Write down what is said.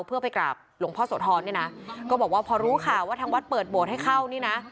เพื่อไปกราบหลวงพ่อโสธรเนี่ยนะก็บอกว่าพอรู้ข่าวว่าทางวัดเปิดโบสถให้เข้านี่นะ